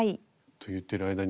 と言っている間に。